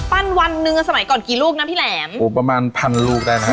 ปั้นวันเนื้อสมัยก่อนกี่ลูกนะพี่แหลมโอ้ประมาณพันลูกได้นะครับ